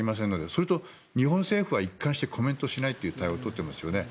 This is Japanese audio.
それと、日本政府は一貫してコメントしないという対応を取っていますよね。